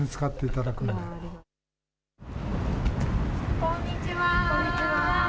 こんにちは。